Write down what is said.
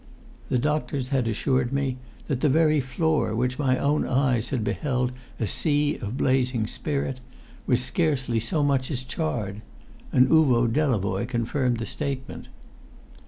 The doctors had assured me that the very floor, which my own eyes had beheld a sea of blazing spirit, was scarcely so much as charred. And Uvo Delavoye confirmed the statement.